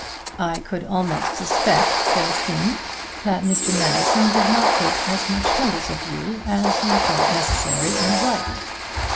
I could almost suspect, Célestine, that Mr. Manderson did not take as much notice of you, as you thought necessary and right."